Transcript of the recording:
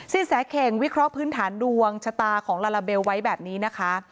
สินแสเข่งวิเคราะห์พื้นฐานดวงชะตาของลาลาเบลไว้แบบนี้นะคะ